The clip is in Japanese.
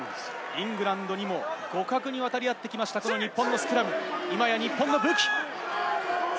イングランドにも互角に渡り合ってきました、日本のスクラム、今や日本の武器。